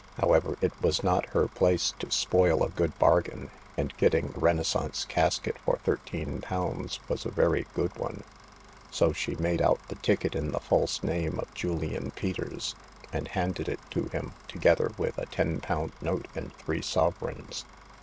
However, it was not her place to spoil a good bargain — and getting the Renais sance casket for thirteen pounds was a very good one — so she made out the ticket in the false name of Julian Peters, and handed it to him, together with a ten pound note and three sovereigns.